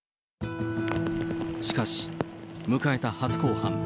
しかし、迎えた初公判。